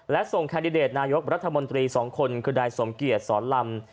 และส่งแคนดิเดตนายกรัฐมนตรี๒คนคือนายสมเกียจสอนลำ